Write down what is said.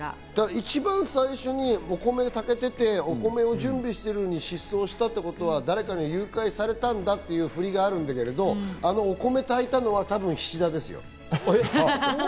一番最初にお米が炊けていて、お米を準備してるのに失踪したってことは、誰かに誘拐されたんだっていうフリがあったけど、お米を炊いたのは多分、菱田ですよ。